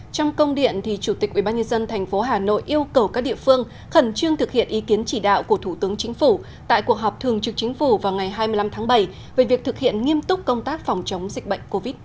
trong công điện chủ tịch ubnd tp hà nội yêu cầu các địa phương khẩn trương thực hiện ý kiến chỉ đạo của thủ tướng chính phủ tại cuộc họp thường trực chính phủ vào ngày hai mươi năm tháng bảy về việc thực hiện nghiêm túc công tác phòng chống dịch bệnh covid một mươi chín